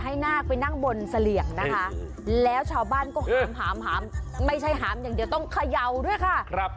หามไม่ใช่หามอย่างเดียวต้องขยาวด้วยค่ะ